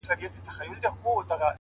ځي له وطنه خو په هر قدم و شاته ګوري”